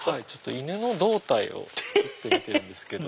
犬の胴体を作ってるんですけど。